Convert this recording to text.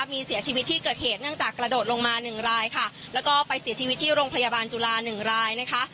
มีเสียชีวิตที่เกิดเหตุเนื่องจากกระโดดลงมาหนึ่งรายค่ะแล้วก็ไปเสียชีวิตที่โรงพยาบาลจุฬาหนึ่งรายนะคะ